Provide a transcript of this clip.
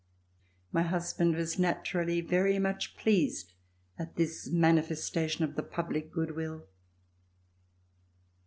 My husband was naturally very much pleased at this manifestation of the public good will.